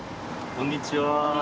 こんにちは。